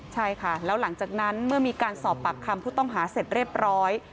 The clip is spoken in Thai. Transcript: ใช่ค่ะแล้วหลังจากนั้นเมื่อมีการสอบปากคำผู้ต้องหาเสร็จเรียบร้อย